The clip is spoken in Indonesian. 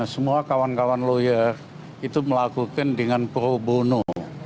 semua kawan kawan lawyer itu melakukan dengan pro bono